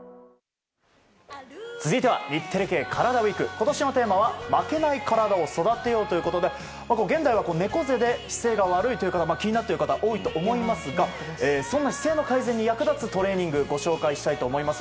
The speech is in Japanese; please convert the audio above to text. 今年のテーマは「負けないカラダ、育てよう」ということで現代は猫背で姿勢が悪いことが気になっている方多いと思いますがそんな姿勢の改善に役立つトレーニングご紹介したいと思います。